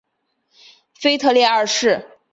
腓特烈二世。